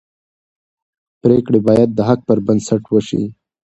پرېکړې باید د حق پر بنسټ وي